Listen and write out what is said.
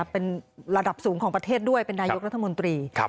เป็นระดับสูงของประเทศด้วยเป็นนายกรัฐมนตรี